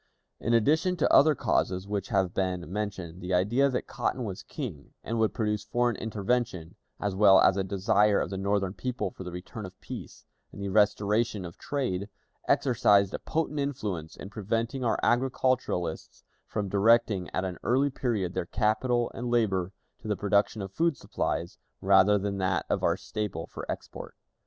In addition to other causes which have been mentioned, the idea that Cotton was king, and would produce foreign intervention, as well as a desire of the Northern people for the return of peace and the restoration of trade, exercised a potent influence in preventing our agriculturists from directing at an early period their capital and labor to the production of food supplies rather than that of our staple for export.